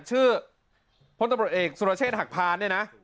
ชื่อพลตำรวจเอกสุรเชษฐหักพานเนี่ยนะ